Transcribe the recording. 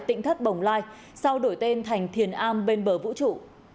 tỉnh thất bồng lai sau đổi tên thành thiền a bên bờ vũ trụ